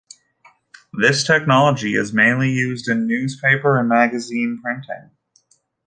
This technology is mainly used in newspaper and magazine printing.